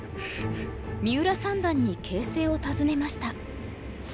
三浦三段に形勢を尋ねました。